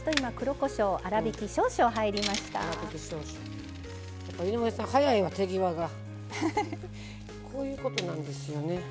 こういうことなんですよね。